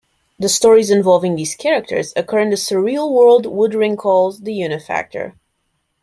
The stories involving these characters occur in the surreal world Woodring calls the Unifactor.